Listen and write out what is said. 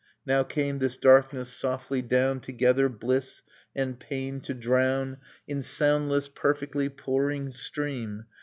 — Now came this darkness softly down Together bliss and pain to drown In soundless perfectly pouring stream.